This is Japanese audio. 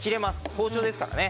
包丁ですからね。